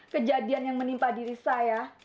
kejadian yang menimpa diri saya